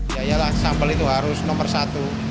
ya iyalah sambel itu harus nomor satu